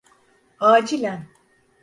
Acilen.